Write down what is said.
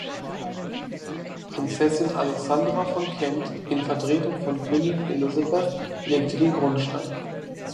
Prinzessin Alexandra von Kent in Vertretung von Königin Elisabeth legte den Grundstein.